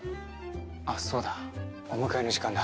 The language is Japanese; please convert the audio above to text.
あっそうだお迎えの時間だ。